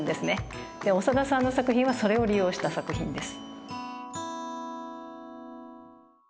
長田さんの作品はそれを利用した作品です。